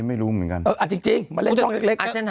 ไม่รู้เหมือนกัน